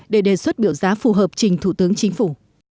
để đề xuất biểu giá phù hợp trình thủ tướng chính phủ